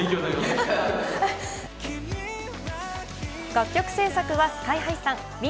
楽曲制作はＳＫＹ−ＨＩさん、ｗ